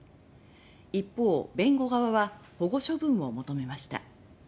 一方、弁護側は保護処分を求めました。